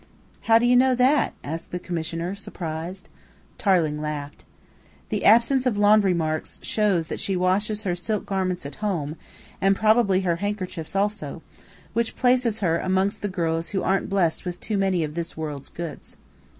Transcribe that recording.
"How do you know that?" asked the Commissioner, surprised. Tarling laughed. "The absence of laundry marks shows that she washes her silk garments at home, and probably her handkerchiefs also, which places her amongst the girls who aren't blessed with too many of this world's goods.